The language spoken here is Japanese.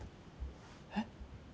えっ？